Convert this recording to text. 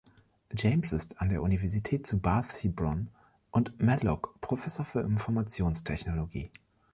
James ist an der Universität zu Bath Hebron- und Medlock-Professor für Informationstechnologie.